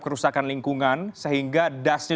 kerusakan lingkungan sehingga dasnya